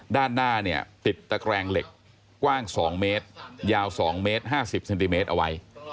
ด้านหน้าเนี่ยติดตะแกรงเหล็กกว้าง๒เมตรยาว๒เมตร๕๐เซนติเมตรเอาไว้